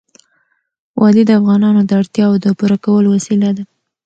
وادي د افغانانو د اړتیاوو د پوره کولو وسیله ده.